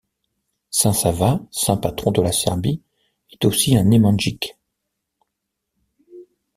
Saint Sava saint patron de la Serbie est aussi un Nemanjić.